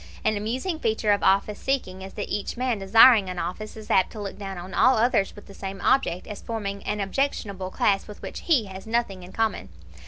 An amusing feature of office seeking is that each man desiring an office is apt to look down on all others with the same object as forming an objectionable class with which he has nothing in common.